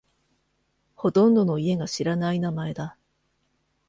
ほとんどの家が知らない名前だ。